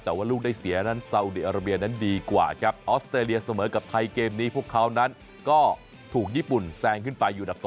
แต่ว่าลูกได้เสียนั้นซาอุดีอาราเบียนั้นดีกว่าครับออสเตรเลียเสมอกับไทยเกมนี้พวกเขานั้นก็ถูกญี่ปุ่นแซงขึ้นไปอยู่อันดับ๒